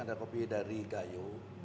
adalah kopi dari gayo